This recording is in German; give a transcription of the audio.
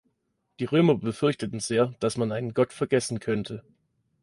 Die Römer befürchteten sehr, dass man einen Gott vergessen könnte.